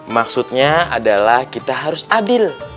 maksudnya adalah kita harus adil